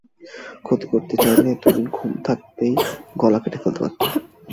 ক্ষতি করতে চাইলে, তুমি ঘুমে থাকতেই গলা কেটে ফেলতে পারতাম।